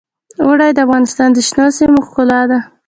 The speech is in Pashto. اوړي د افغانستان د شنو سیمو ښکلا ده.